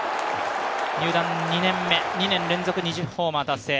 入団２年目、２年連続２０ホーマー達成